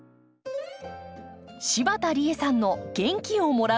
柴田理恵さんの元気をもらう庭。